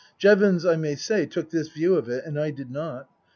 Jevons, I may say, took this view of it and I did not.